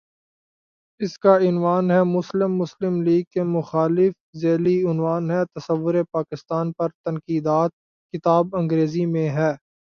اس کا عنوان ہے:"مسلم مسلم لیگ کے مخالف" ذیلی عنوان ہے:"تصورپاکستان پر تنقیدات" کتاب انگریزی میں ہے۔